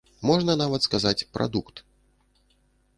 Можна нават сказаць, прадукт.